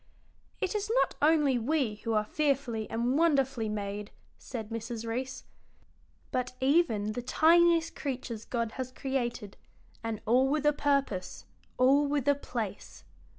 "It is not only we who are fearfully and wonderfully made," said Mrs. Reece, "but even the tiniest creatures God has created, and all with a purpose, all with a place."